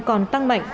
còn tăng mạnh